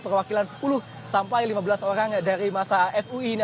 perwakilan sepuluh sampai lima belas orang dari masa fui ini